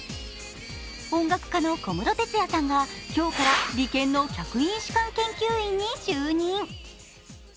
音楽家の小室哲哉さんが、今日から理研の客員主管研究員に就任。